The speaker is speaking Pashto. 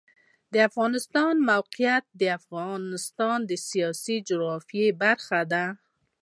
د افغانستان د موقعیت د افغانستان د سیاسي جغرافیه برخه ده.